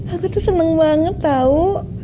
aku tuh seneng banget tau